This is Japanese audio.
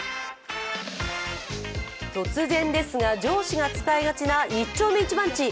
突然ですが上司が使いがちな一丁目一番地。